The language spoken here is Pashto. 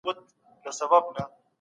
په ټولنه کي به مو رول مثبت وي.